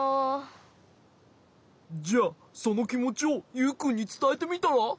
じゃあそのきもちをユウくんにつたえてみたら？